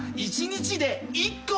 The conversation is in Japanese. １日１個？